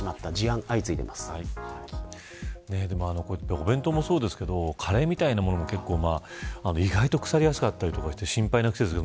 お弁当もそうですけどカレーみたいなものも意外とくさりやすかったりとかして心配な季節です。